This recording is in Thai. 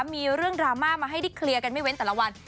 มีเรื่องราวมาให้ดิขลีกกันไม่เว่นแต่ละวัน